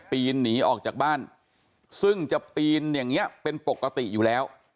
ปีนหนีออกจากบ้านซึ่งจะปีนอย่างนี้เป็นปกติอยู่แล้ว